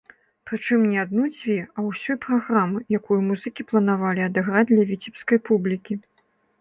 Прычым, не адну-дзве, а ўсёй праграмы, якую музыкі планавалі адыграць для віцебскай публікі.